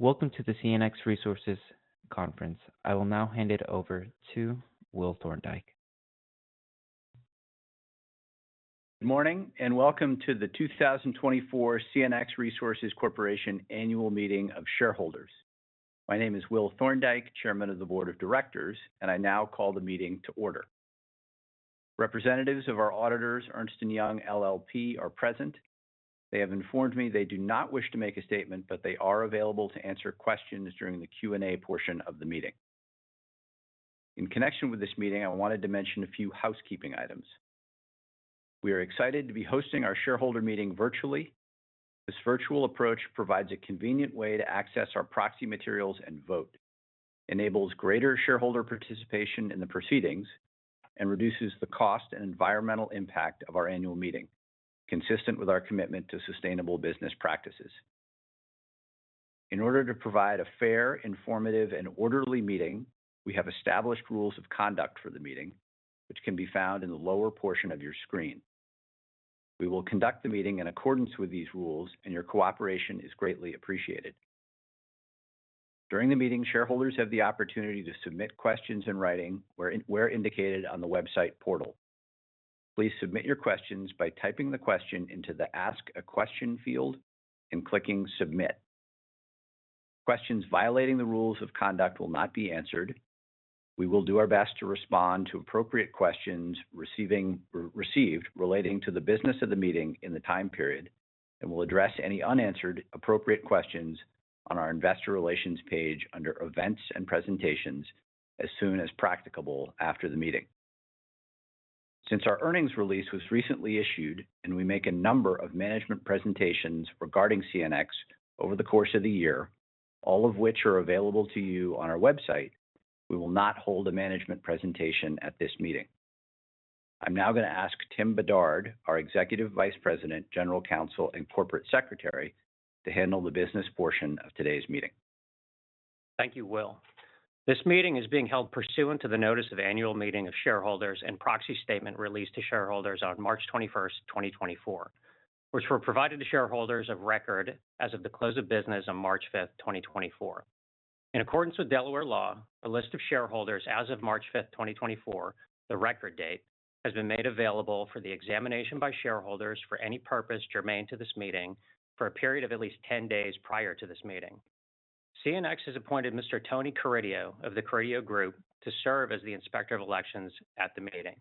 Welcome to the CNX Resources Conference. I will now hand it over to Will Thorndike. Good morning, and welcome to the 2024 CNX Resources Corporation Annual Meeting of Shareholders. My name is Will Thorndike, Chairman of the board of directors, and I now call the meeting to order. Representatives of our auditors, Ernst & Young LLP, are present. They have informed me they do not wish to make a statement, but they are available to answer questions during the Q&A portion of the meeting. In connection with this meeting, I wanted to mention a few housekeeping items. We are excited to be hosting our shareholder meeting virtually. This virtual approach provides a convenient way to access our proxy materials and vote, enables greater shareholder participation in the proceedings, and reduces the cost and environmental impact of our annual meeting, consistent with our commitment to sustainable business practices. In order to provide a fair, informative, and orderly meeting, we have established rules of conduct for the meeting, which can be found in the lower portion of your screen. We will conduct the meeting in accordance with these rules, and your cooperation is greatly appreciated. During the meeting, shareholders have the opportunity to submit questions in writing, where indicated on the website portal. Please submit your questions by typing the question into the Ask a Question field and clicking Submit. Questions violating the rules of conduct will not be answered. We will do our best to respond to appropriate questions received relating to the business of the meeting in the time period, and we'll address any unanswered, appropriate questions on our Investor Relations page under Events and Presentations as soon as practicable after the meeting. Since our earnings release was recently issued, and we make a number of management presentations regarding CNX over the course of the year, all of which are available to you on our website, we will not hold a management presentation at this meeting. I'm now gonna ask Tim Bedard, our Executive Vice President, General Counsel, and Corporate Secretary, to handle the business portion of today's meeting. Thank you, Will. This meeting is being held pursuant to the notice of annual meeting of shareholders and Proxy Statement released to shareholders on March twenty-first, 2024, which were provided to shareholders of record as of the close of business on March fifth, 2024. In accordance with Delaware law, a list of shareholders as of March fifth, 2024, the record date, has been made available for the examination by shareholders for any purpose germane to this meeting for a period of at least ten days prior to this meeting. CNX has appointed Mr. Tony Carideo of The Carideo Group to serve as the Inspector of Elections at the meeting.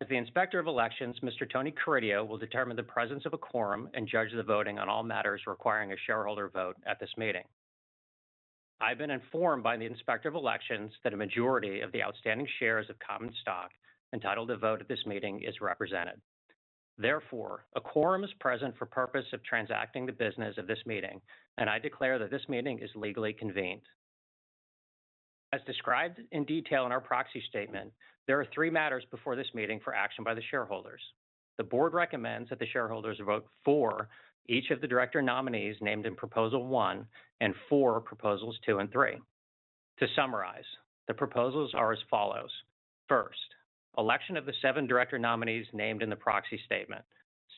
As the Inspector of Elections, Mr. Tony Carideo will determine the presence of a quorum and judge the voting on all matters requiring a shareholder vote at this meeting. I've been informed by the Inspector of Elections that a majority of the outstanding shares of common stock entitled to vote at this meeting is represented. Therefore, a quorum is present for purpose of transacting the business of this meeting, and I declare that this meeting is legally convened. As described in detail in our proxy statement, there are three matters before this meeting for action by the shareholders. The board recommends that the shareholders vote for each of the director nominees named in Proposal One and for, Proposals Two and Three. To summarize, the proposals are as follows: First, election of the seven director nominees named in the proxy statement.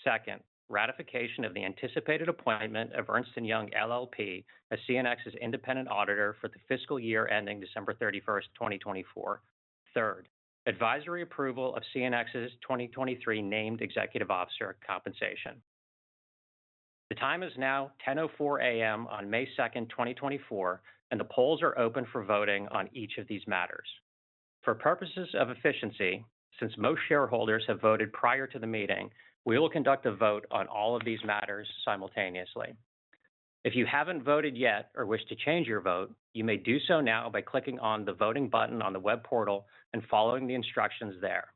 Second, ratification of the anticipated appointment of Ernst & Young LLP as CNX's independent auditor for the fiscal year ending December 31, 2024. Third, advisory approval of CNX's 2023 named executive officer compensation. The time is now 10:04 A.M. on May 2, 2024, and the polls are open for voting on each of these matters. For purposes of efficiency, since most shareholders have voted prior to the meeting, we will conduct a vote on all of these matters simultaneously. If you haven't voted yet or wish to change your vote, you may do so now by clicking on the voting button on the web portal and following the instructions there.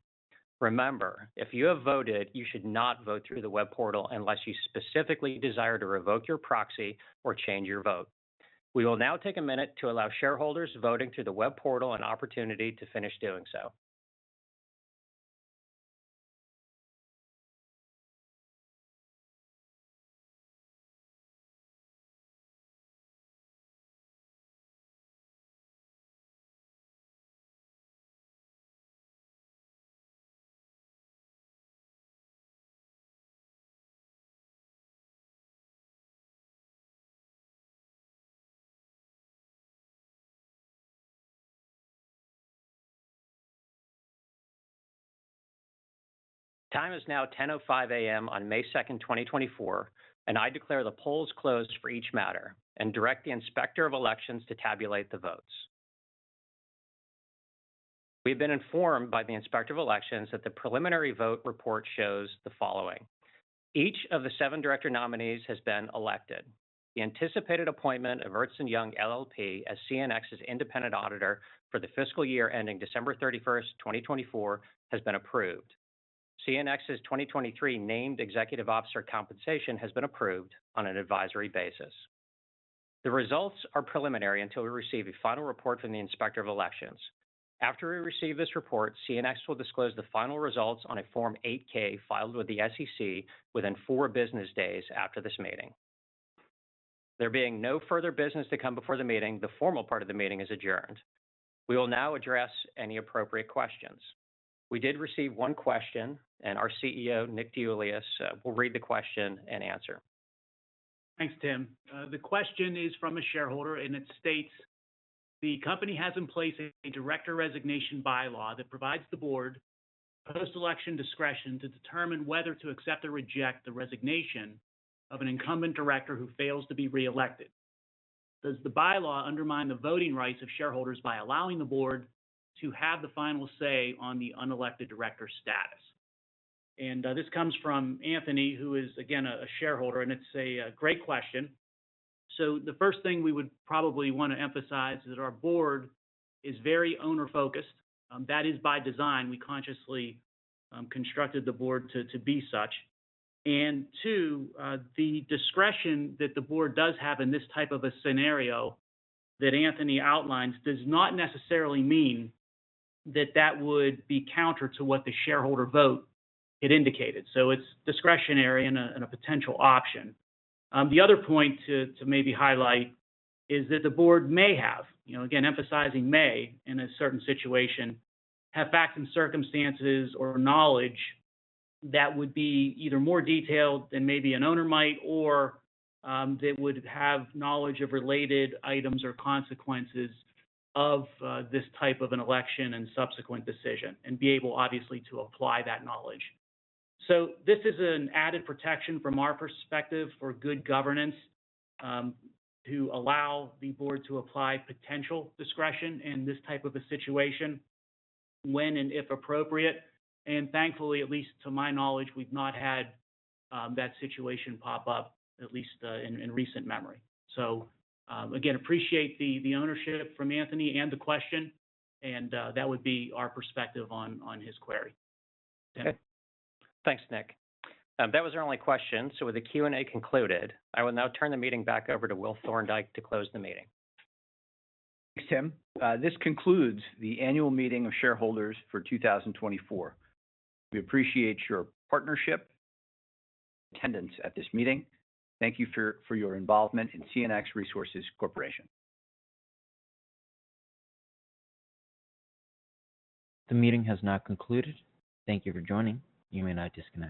Remember, if you have voted, you should not vote through the web portal unless you specifically desire to revoke your proxy or change your vote. We will now take a minute to allow shareholders voting through the web portal an opportunity to finish doing so. The time is now 10:05 A.M. on May 2, 2024, and I declare the polls closed for each matter and direct the Inspector of Elections to tabulate the votes. We've been informed by the Inspector of Elections that the preliminary vote report shows the following: Each of the seven director nominees has been elected. The anticipated appointment of Ernst & Young LLP as CNX's independent auditor for the fiscal year ending December 31, 2024, has been approved. CNX's 2023 named executive officer compensation has been approved on an advisory basis. The results are preliminary until we receive a final report from the Inspector of Elections. After we receive this report, CNX will disclose the final results on a Form 8-K filed with the SEC within four business days after this meeting. There being no further business to come before the meeting, the formal part of the meeting is adjourned. We will now address any appropriate questions. We did receive one question, and our CEO, Nick DeIuliis, will read the question and answer. Thanks, Tim. The question is from a shareholder, and it states: The company has in place a director resignation bylaw that provides the board post-election discretion to determine whether to accept or reject the resignation of an incumbent director who fails to be reelected. Does the bylaw undermine the voting rights of shareholders by allowing the board to have the final say on the unelected director status? And this comes from Anthony, who is, again, a shareholder, and it's a great question. So the first thing we would probably wanna emphasize is our board is very owner-focused. That is by design. We consciously constructed the board to be such. Two, the discretion that the board does have in this type of a scenario that Anthony outlines does not necessarily mean that that would be counter to what the shareholder vote had indicated. So it's discretionary and a potential option. The other point to maybe highlight is that the board may have, you know, again, emphasizing may, in a certain situation, have facts and circumstances or knowledge that would be either more detailed than maybe an owner might, or they would have knowledge of related items or consequences of this type of an election and subsequent decision, and be able, obviously, to apply that knowledge. So this is an added protection from our perspective for good governance, to allow the board to apply potential discretion in this type of a situation when and if appropriate. And thankfully, at least to my knowledge, we've not had that situation pop up, at least in recent memory. So, again, appreciate the ownership from Anthony and the question, and that would be our perspective on his query. Tim? Thanks, Nick. That was our only question, so with the Q&A concluded, I will now turn the meeting back over to Will Thorndike to close the meeting. Thanks, Tim. This concludes the annual meeting of shareholders for 2024. We appreciate your partnership and attendance at this meeting. Thank you for your involvement in CNX Resources Corporation. The meeting has now concluded. Thank you for joining. You may now disconnect.